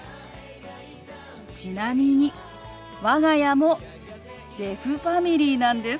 ちなみに我が家もデフファミリーなんです。